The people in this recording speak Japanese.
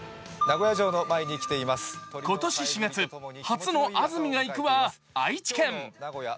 今年４月、初の「安住がいく」は愛知県。